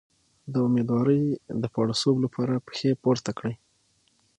د امیدوارۍ د پړسوب لپاره پښې پورته کړئ